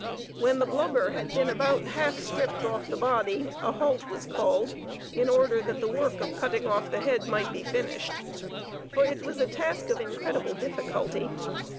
When the blubber had been about half stripped off the body, a halt was called in order that the work of cutting off the head might be finished, for it was a task of incredible difficulty.